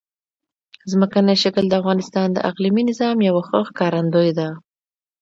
ځمکنی شکل د افغانستان د اقلیمي نظام یوه ښه ښکارندوی ده.